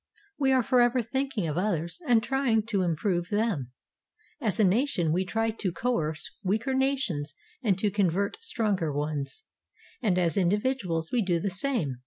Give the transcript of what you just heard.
We are for ever thinking of others and trying to improve them; as a nation we try to coerce weaker nations and to convert stronger ones, and as individuals we do the same.